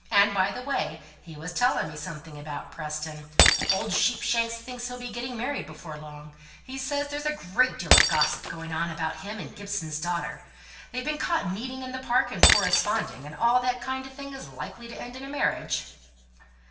And, by the way, he was telling me something about Preston; old Sheepshanks thinks he'll be married before long, he says there's a great deal of gossip going on about him and Gibson's daughter. They've been caught meeting in the park, and corresponding, and all that kind of thing that is likely to end in a marriage."